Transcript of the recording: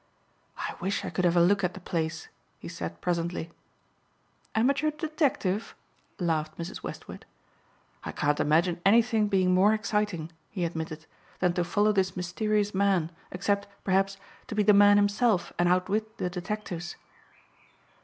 "I wish I could have a look at the place," he said presently. "Amateur detective?" laughed Mrs. Westward. "I can't imagine anything being more exciting," he admitted, "than to follow this mysterious man except, perhaps, to be the man himself and outwit the detectives."